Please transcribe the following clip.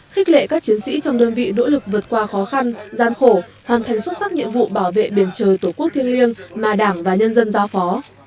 khích lệ các chiến sĩ trong đơn vị nỗ lực vượt qua khó khăn gian khổ hoàn thành xuất sắc nhiệm vụ bảo vệ biển trời tổ quốc thiên liêng mà đảng và nhân dân giao phó